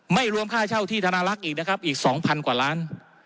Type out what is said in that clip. รวมค่าเช่าที่ธนาลักษณ์อีกนะครับอีก๒๐๐กว่าล้าน